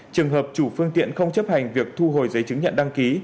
trường hợp chủ phương tiện không chấp hành việc thu hồi giấy chứng nhận đăng ký